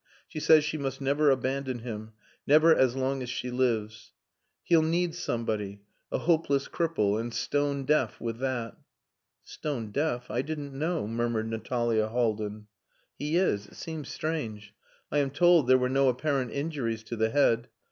"She says she must never abandon him never as long as she lives. He'll need somebody a hopeless cripple, and stone deaf with that." "Stone deaf? I didn't know," murmured Natalia Haldin. "He is. It seems strange. I am told there were no apparent injuries to the head.